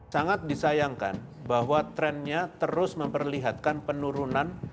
sangat disayangkan bahwa trennya terus memperlihatkan penurunan